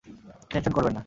Tension করবেন না।